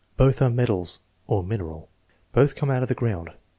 "Both are metals" (or mineral). "Both come out of the ground."